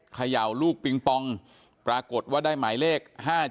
เขย่าลูกปิงปองปรากฏว่าได้หมายเลข๕๗